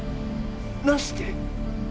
なして。